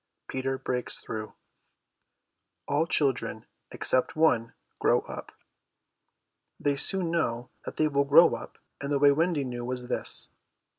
PETER BREAKS THROUGH All children, except one, grow up. They soon know that they will grow up, and the way Wendy knew was this.